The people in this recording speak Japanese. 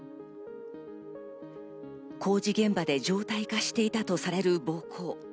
工事現場で常態化していたとされる暴行。